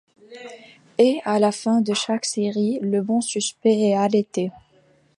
Et à la fin de chaque série le bon suspect est arrêté.